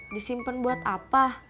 disimpen buat apa